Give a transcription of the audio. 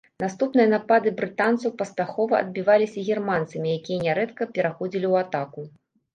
Наступныя напады брытанцаў паспяхова адбіваліся германцамі, якія нярэдка пераходзілі ў атаку.